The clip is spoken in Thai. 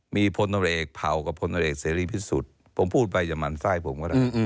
มีพตเอกเผากับพตเอกเศรษฐีผู้สุดผมพูดไปยังมันไต้ผมก็ได้